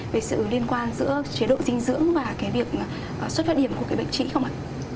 về sự liên quan giữa chế độ dinh dưỡng và suất phát điểm của bệnh trí không ạ